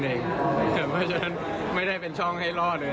เพราะฉะนั้นไม่ได้เป็นช่องให้ล่อเลย